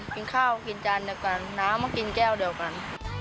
กินข้าวกินจานเดียวกันน้ำมากินแก้วเดียวกัน